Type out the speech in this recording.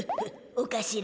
おかしら。